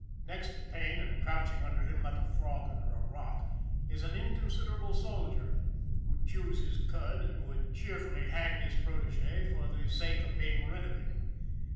Next to Payne, and crouching under him like a frog under a rock, is an inconsiderable soldier, who chews his cud, and would cheerfully hang his protege for the sake of being rid of him.